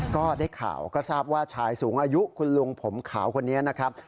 ก็ได้ข่าวก็ทราบว่าชายสูงอายุคุณลุงผมขาวคนนี้นะครับ